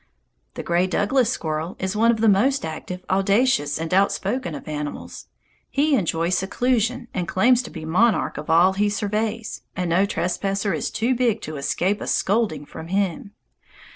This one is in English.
The gray Douglas squirrel is one of the most active, audacious, and outspoken of animals. He enjoys seclusion and claims to be monarch of all he surveys, and no trespasser is too big to escape a scolding from him.